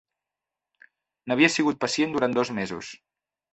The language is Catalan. N'havia sigut pacient durant dos mesos.